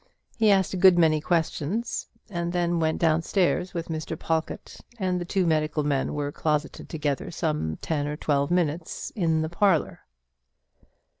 He asked a good many questions, and then went down stairs with Mr. Pawlkatt, and the two medical men were closeted together some ten or twelve minutes in the little parlour.